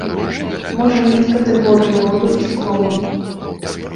Можа мець катэгорыі роду і склону.